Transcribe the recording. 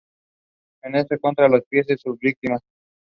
He played league games.